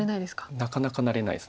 なかなかなれないです。